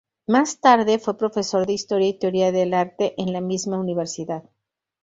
Más tarde fue profesor de Historia y Teoría del Arte en la misma universidad.